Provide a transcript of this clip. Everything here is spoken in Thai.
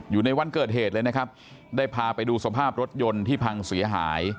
อยู่ในวันเกิดเหตุเลยนะครับได้พาไปดูสภาพรถยนต์ที่พังเสียหาย